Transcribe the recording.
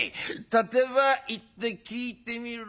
立て場行って聞いてみろ。